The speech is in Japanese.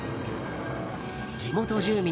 地元住民